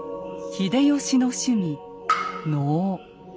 秀吉の趣味「能」。